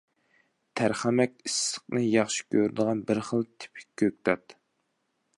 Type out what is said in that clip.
تەرخەمەك ئىسسىقنى ياخشى كۆرىدىغان بىر خىل تىپىك كۆكتات.